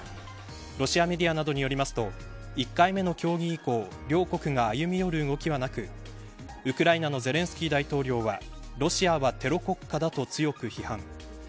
ロシアメディアなどによりますと１回目の協議以降両国が歩み寄る動きはなくウクライナのゼレンスキー大統領はロシアはテロ国家だと強く批判。